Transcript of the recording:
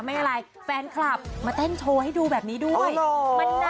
อะไรแฟนคลับมาเต้นโชว์ให้ดูแบบนี้ด้วย